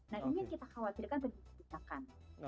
nah ini yang kita khawatirkan terdiri dari sepintakan